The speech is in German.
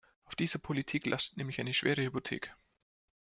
Auf dieser Politik lastet nämlich eine schwere Hypothek.